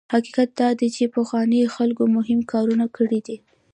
حقیقت دا دی چې پخوانیو خلکو مهم کارونه کړي دي.